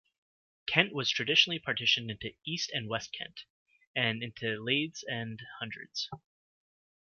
Kent was traditionally partitioned into East and West Kent, and into lathes and hundreds.